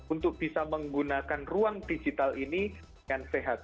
untuk bisa menggunakan ruang digital ini dengan sehat